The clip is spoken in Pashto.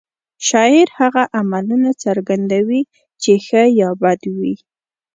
شاعر هغه عملونه څرګندوي چې ښه یا بد وي